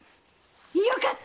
よかった！